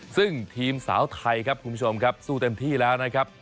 ซึ่งทีมสาวไทยครับคุณผู้ชมครับสู้เต็มที่แล้วนะครับ